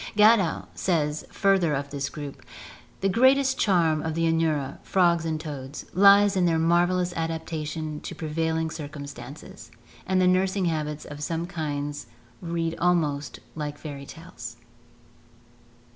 Gadow says further of this group: "The greatest charm of the Anura [frogs and toads] lies in their marvellous adaptation to prevailing circumstances; and the nursing habits of some kinds read almost like fairy tales."